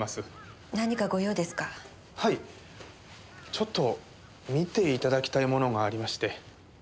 ちょっと見て頂きたいものがありまして。